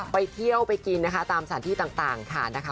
ไปเที่ยวไปกินนะคะตามสถานที่ต่างค่ะนะคะ